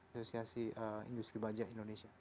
asosiasi industri bajak indonesia